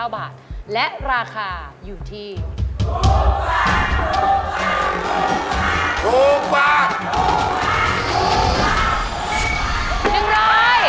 ค่ะถูกค่ะถูกค่ะถูกค่ะถูกค่ะถูกค่ะ